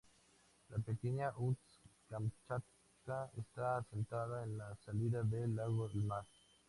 La pequeña Ust-Kamchatka está asentada en la salida del lago al mar.